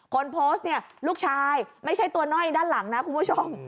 คนโพสต์เนี่ยลูกชายไม่ใช่ตัวน้อยด้านหลังนะคุณผู้ชม